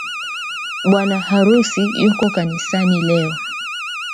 Bwana harusi yuko kanisani leo.